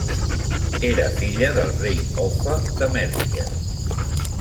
Era filla del rei Offa de Mèrcia.